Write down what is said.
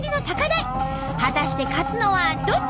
果たして勝つのはどっち！？